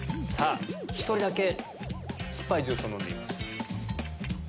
１人だけ酸っぱいジュースを飲んでいます。